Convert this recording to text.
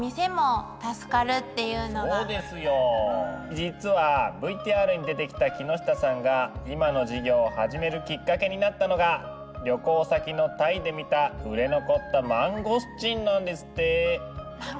実はＶＴＲに出てきた木下さんが今の事業を始めるきっかけになったのが旅行先のタイで見た売れ残ったマンゴスチンなんですって。